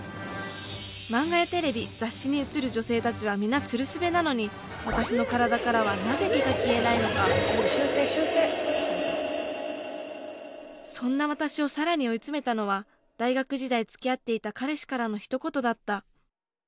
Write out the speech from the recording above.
マンガやテレビ雑誌にうつる女性たちは皆ツルスベなのに私の体からはなぜ毛が消えないのかそんな私を更に追い詰めたのは大学時代つきあっていた彼氏からのひと言だった。